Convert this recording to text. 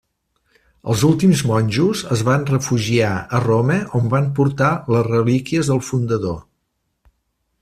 Els últims monjos es van refugiar a Roma, on van portar les relíquies del fundador.